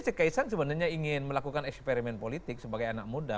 si kaisang sebenarnya ingin melakukan eksperimen politik sebagai anak muda